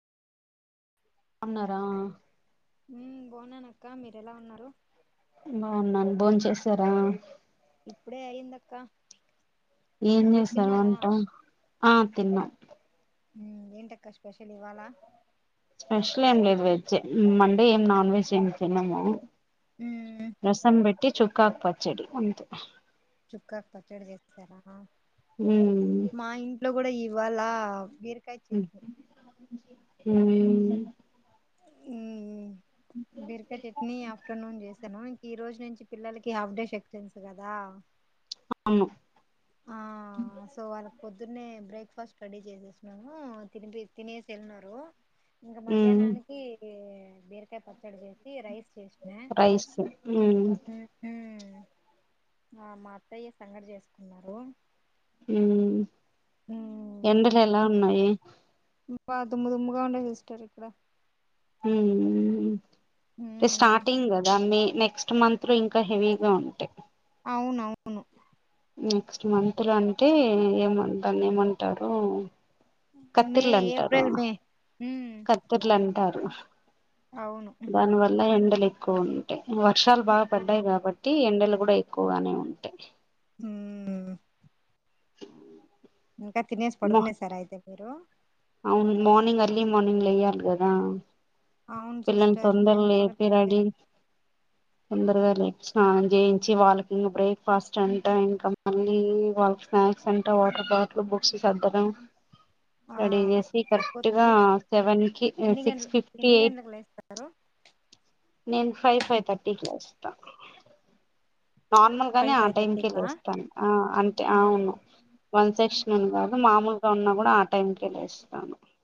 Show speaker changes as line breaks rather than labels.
అన్నారా
హు బాగునాన్నక్క మీరెలా ఉన్నారు
బాగున్నాను బోన్ చేశారా
ఇప్పుడే అయ్యిందక్క
ఏం చేశారు వంట ఆ తిన్న
మ్మ్ ఏంటక్క స్పెషల్ ఇవ్వాళ
స్పెషల్ ఏం లేదు వెజ్జే మండే ఏం నాన్ వెజ్ ఏం తినము
ఉమ్
రసం బెట్టి చుక్కాకు పచ్చడి అంతే
ఉక్కాకు పచ్చడి చేసారా
ఉమ్
ఇంట్లో గుడ ఇవాళ బీరకాయ చట్నీ
ఉమ్
బీరకాయ్ చట్నీ ఆఫ్టర్నూన్ చేసను ఇంక ఈ రోజు నుంచి పిల్లలకి హాఫ్ డే సెక్షన్స్ కదా
అవును
ఆ సో వాళ్ల్ పొద్దునే బ్రేక్ఫాస్ట్ రెడీ చేసేసినాను తినిపి తినేసి వెళ్ళినరు ఇంక
ఉమ్
మధ్యాహ్నానికి బీరకాయ పప్ చ్చడి చేసి రైస్ చేసిన
రైస్ ఉమ్
ఆ మా అత్తయ్య సంగటి చేసుకున్నారు
మ్మ్
ఉమ్
ఎండలు ఎలా ఉన్నాయి
దుమ్ము దుమ్ముగా ఉన్నాయి సిస్టర్ ఇక్కడ
ఉమ్ టే స్టార్టింగ్ గదా మే నెక్స్ట్ మంత్ లో ఇంకా హెవీగా ఉంటయి
అవునవును
నెక్స్ట్ మంత్ లో అంటే ఏమం దాన్నేమంటారు
మే
కత్తిర్లంటారు
ఏప్రిల్ మే ఉమ్
కత్తిర్లన్ టరు
అవును
దాని వల్ల ఎండలెక్కువ ఉంటాయి వర్షాలు బాగా
ఎక్కువగా
పడ్డాయి కాబట్టి ఎండలు గుడా ఎక్కువగానే ఉంటయి
ఉమ్ ఇంకా తినేసి
మ
పడుకునేసార అయితే మీరు
అవును మార్నింగ్ అర్లీ మార్నింగ్ లెయ్యాలి గదా
అవును
పిల్లని
సిస్టర్
తొందర
మేము కూడా
లేపి రడి తొందరగా లే స్నానం చేయించి వాళ్ళకి ఇంకా బ్రేక్ఫాస్ట్ అంటా ఇంకా మళ్ళీ వాళ్ళకి స్నాక్స్ అంటా వాటర్ బాటిల్ బుక్స్ సద్దడం
ఆ
రెడీ చేసి
సరిపో
కరెక్ట్ గా సెవెన్ కి
ఎన్ని గంటలు
సిక్స్ ఫిఫ్టీ
ఎన్ని
ఎయిట్
గంటలకు లేస్తారు
నేను ఫైవ్ ఫైవ్ థర్టీకి లేస్త నార్మల్ గానే
ఫైవ్
ఆ
ఫైవ్
టైంకే
థర్టీకా
లేస్తాను ఆ అంటే
ఆహా
అవును వన్ సెక్షన్ ఉంది
ఓకే
కాదు మామూలుగా ఉన్నా కూడా ఆ టైం కె లేస్తాను.